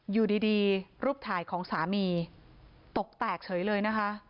อยู่ดีรูปถ่ายของสามีตกแตกเฉยเลยนะคะ